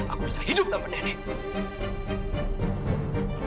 aku bisa hidup tanpa nenekmu